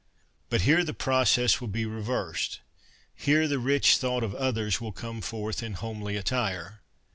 But here the process will be reversed. Here the rich thought of others will come forth in homely attire.